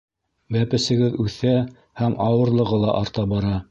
Бәпесегеҙ үҫә һәм ауырлығы ла арта бара.